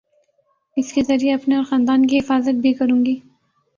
اس کے ذریعے اپنے اور خاندان کی حفاظت بھی کروں گی